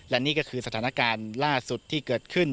และนี่ก็คือสถานการณ์ล่าสุดที่เกิดขึ้น